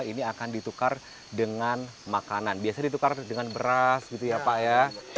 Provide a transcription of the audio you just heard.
ini akan ditukar dengan makanan biasa ditukar dengan beras gitu ya pak ya